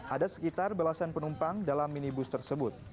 ada sekitar belasan penumpang dalam minibus tersebut